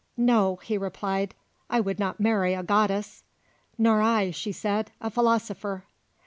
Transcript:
"No," he replied; "I would not marry a goddess." "Nor I," she said, "a philosopher."